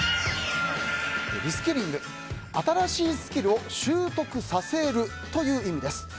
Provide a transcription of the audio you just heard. リスキリング、新しいスキルを習得させるという意味です。